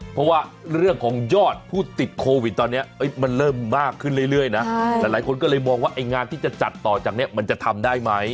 เพราะว่าเรื่องของยอดผู้ติดโควิดตอนนี้มันเริ่มมากขึ้นเรื่อยนะหลายคนก็เลยมองว่าไอ้งานที่จะจัดต่อจากนี้มันจะทำได้ไหม